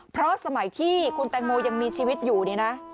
เพราะสมัยที่คุณแตงโมยังมีชีวิตอยู่เนี่ยนะ